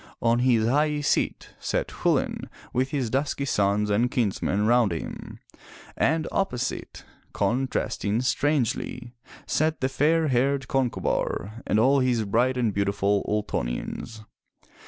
On his high seat sat Chulain with his dusky sons and kinsmen round him, and opposite, con trasting strangely, sat the fair haired Concobar, and all his bright and beautiful Ultonians.